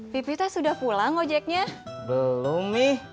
pipih teh sudah pulang ojeknya belum mih